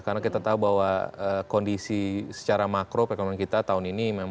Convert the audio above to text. karena kita tahu bahwa kondisi secara makro perekonomian kita tahun ini